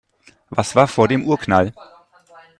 Was war vor dem Urknall?